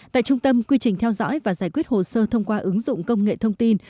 tại trung tâm quy trình theo dõi và giải quyết hồ sơ thông qua ứng dụng công nghệ thông tin